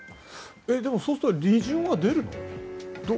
そうすると利潤は出るの？